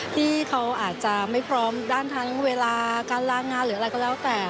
ที่เขาอาจจะไม่พร้อมด้านทั้งเวลาการลางานหรืออะไรก็แล้วแต่